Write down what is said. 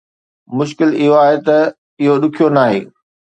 مشڪل اهو آهي ته اهو ڏکيو ناهي